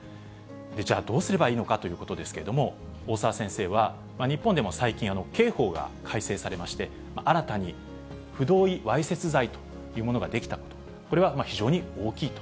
じゃあ、どうすればいいのかということですけれども、大沢先生は、日本でも最近、刑法が改正されまして、新たに不同意わいせつ罪というものが出来たこと、これは非常に大きいと。